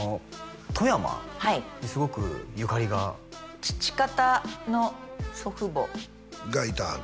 富山にすごくゆかりが父方の祖父母がいてはる？